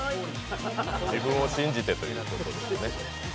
自分を信じてということですね。